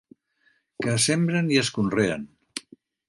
Que es sembren i es conreen.